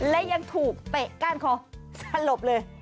และยังถูกเตะก้านคอสลบเลย